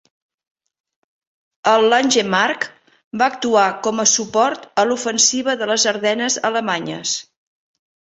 El "Langemarck" va actuar com a suport a l'ofensiva de les Ardennes alemanyes.